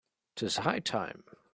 'Tis high time